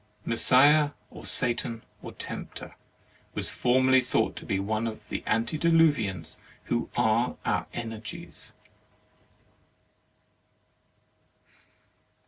Messiah, or Satan, or Tempter, was formerly thought to be one of the antediluvians who are our Energies.